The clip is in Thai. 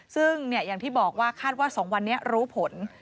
ซึ่งอย่างที่บอกว่าคาดว่า๒วันนี้รู้ผล